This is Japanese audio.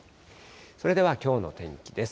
それではきょうの天気です。